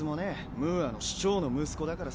ムーアの首長の息子だからさ。